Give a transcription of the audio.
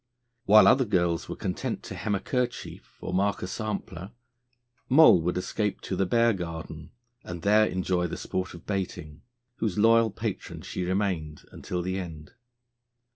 While other girls were content to hem a kerchief or mark a sampler, Moll would escape to the Bear Garden, and there enjoy the sport of baiting, whose loyal patron she remained unto the end.